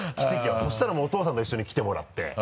そしたらもうお父さんと一緒に来てもらって。